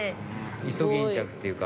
イソギンチャクっていうか。